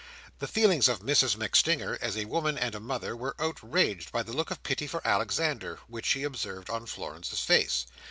The feelings of Mrs MacStinger, as a woman and a mother, were outraged by the look of pity for Alexander which she observed on Florence's face.